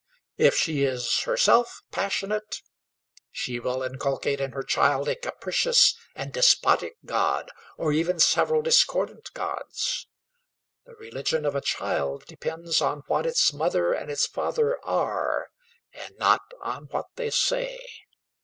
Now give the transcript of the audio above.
If she is herself passionate, she will inculcate in her child a capricious and despotic God, or even several discordant gods. The religion of a child depends on what its mother and its father are, and not on what they say.